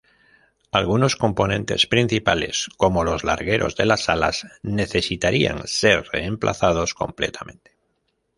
Algunos componentes principales, como los largueros de las alas, necesitarían ser reemplazados completamente.